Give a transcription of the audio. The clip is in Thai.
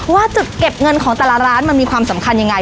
ว่าจุดเก็บเงินของแต่ละร้านมันมีความสำคัญยังไง